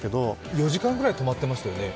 ４時間ぐらい止まっていましたよね？